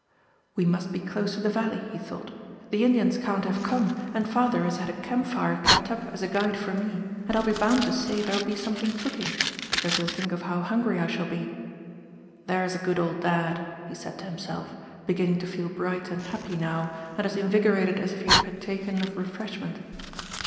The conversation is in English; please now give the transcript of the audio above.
"We must be close to the valley," he thought. "The Indians can't have come, and father has had a camp fire kept up as a guide for me, and I'll be bound to say there'll be something cooking, because he'll think of how hungry I shall be. "There's a good old dad," he said to himself, beginning to feel bright and happy now, and as invigorated as if he had partaken of refreshment.